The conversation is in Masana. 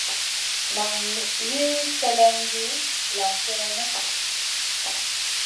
Nan may wi sèlèm ɗi vulan sélèmu.